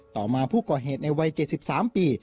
ต่อมาผู้ก่อเหตุในวัย๗๓ปี